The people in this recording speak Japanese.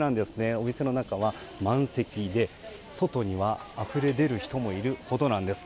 お店の中は満席で外にはあふれ出る人もいるほどなんです。